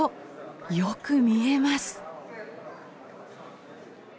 よく見えます。